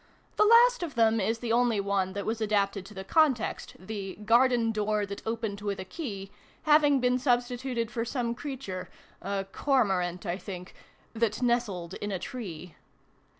The last of them is the only one that was adapted to the context, the " Garden Door that opened with a key" having been substituted for some creature (a Cormorant, I think) " that nestled in a tree."